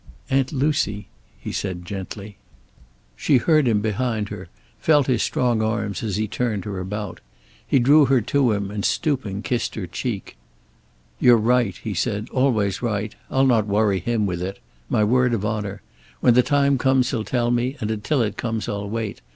"Aunt Lucy " he said gently. She heard him behind her, felt his strong arms as he turned her about. He drew her to him and stooping, kissed her cheek. "You're right," he said. "Always right. I'll not worry him with it. My word of honor. When the time comes he'll tell me, and until it comes, I'll wait.